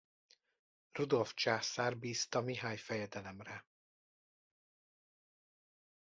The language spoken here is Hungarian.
Rudolf császár bízta Mihály fejedelemre.